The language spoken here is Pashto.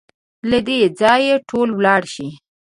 له دې ځايه ټول ولاړ شئ!